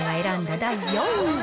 第４位は。